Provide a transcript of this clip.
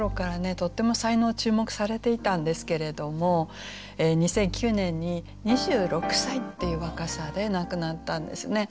とっても才能を注目されていたんですけれども２００９年に２６歳っていう若さで亡くなったんですね。